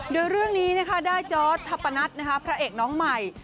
โดยเรื่องนี้ได้จอร์ดทัพปนัทพระเอกน้องใหม่